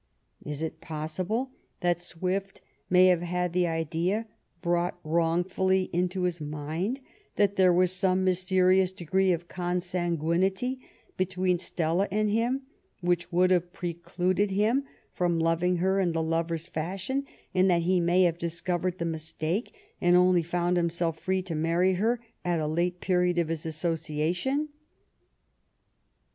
Is it possible that Swift may have had the idea brought wrongfully into his mind that there was some mysterious degree of consanguinity between Stella and him which would have precluded him from loving her in the lover's fashion, and that he may have discovered the mistake, and only found himself free to marry her at a late period of their asso ciation?